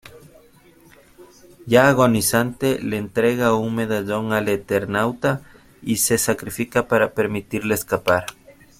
Ya agonizante, le entrega un medallón al Eternauta y se sacrifica para permitirle escapar.